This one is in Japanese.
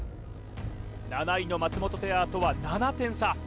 ７位の松本ペアとは７点差